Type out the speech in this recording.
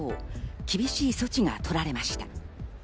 厳しい措置がとられました。